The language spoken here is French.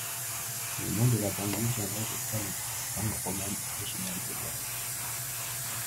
Le nom de la banlieue viendrait de wallon, langue romane originale des Wallons.